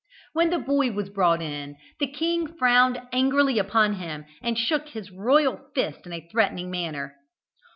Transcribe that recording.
When the boy was brought in, the king frowned angrily upon him, and shook his royal fist in a threatening manner.